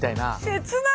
切ない！